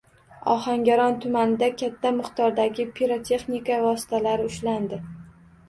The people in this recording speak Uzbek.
Ohangaron tumanida katta miqdordagi pirotexnika vositalari ushlandi